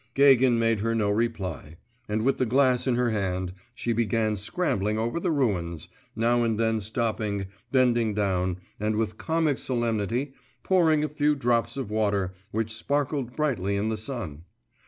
Gagin made her no reply; and with the glass in her hand, she began scrambling over the ruins, now and then stopping, bending down, and with comic solemnity pouring a few drops of water, which sparkled brightly in the sun.